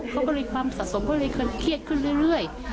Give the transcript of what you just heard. เขาก็เลยความสะสมเขาเลยเครื่องเครียดขึ้นเรื่อย